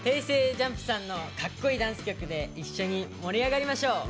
ＪＵＭＰさんのかっこいいダンス曲で一緒に盛り上がりましょう！